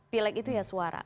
pileg itu ya suara